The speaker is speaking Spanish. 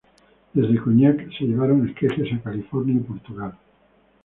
Desde Cognac, se llevaron esquejes a California y Portugal.